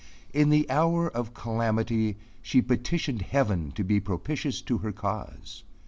In the hour of calamity she petitioned heaven to be propitious to her cause.